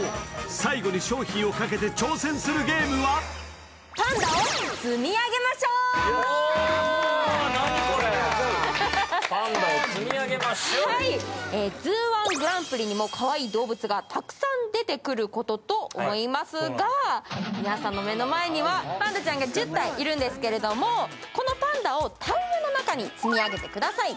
最後に商品をかけて挑戦するゲームは「ＺＯＯ−１グランプリ」にもかわいい動物がたくさん出てくることかと思いますが、皆さんの目の前にはパンダちゃんが１０体いるんですけど、このパンダをタイヤの中に積み上げてください。